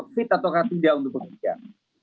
fit atau tidak untuk pemikiran